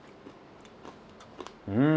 うん！